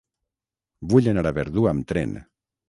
Vull anar a Verdú amb tren.